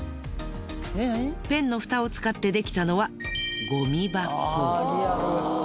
ペンのふたを使ってできたのはゴミ箱。